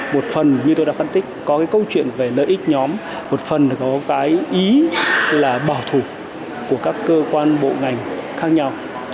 một phần như tôi đã phân tích có cái câu chuyện về lợi ích nhóm một phần có cái ý là bảo thủ của các cơ quan bộ ngành khác nhau